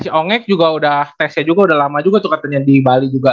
si ongek juga udah tesnya juga udah lama juga tuh katanya di bali juga